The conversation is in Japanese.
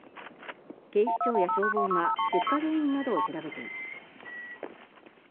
警視庁や消防が出火原因などを調べています。